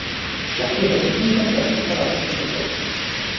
La chiesa è costruita presso il Palazzo Santacroce.